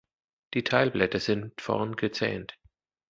Die Teilblätter sind vorn gezähnt.